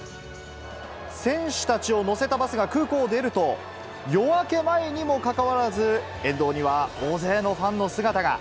選手たちを乗せたバスが空港を出ると、夜明け前にもかかわらず、沿道には大勢のファンの姿が。